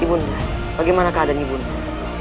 ibu nda bagaimana keadaan ibu nda